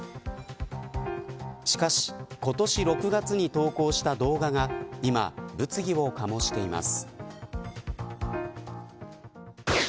しかし今年６月に投稿した動画が今、物議を醸しています。